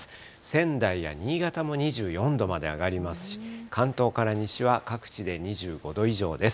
仙台や新潟も２４度まで上がりますし、関東から西は各地で２５度以上です。